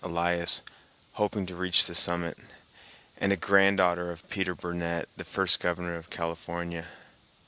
Elias, hoping to reach the summit; and a granddaughter of Peter Burnett, the first governor of California.